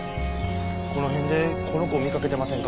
この辺でこの子見かけてませんか？